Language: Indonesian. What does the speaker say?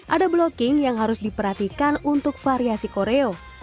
ada blocking yang harus diperhatikan untuk variasi koreo